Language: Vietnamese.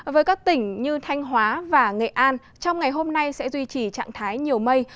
với các tỉnh như thanh hóa và nghệ an trong ngày hôm nay sẽ duy trì trạng thái nhiều mây